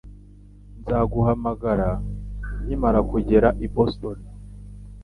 Nzaguhamagara nkimara kugera i Boston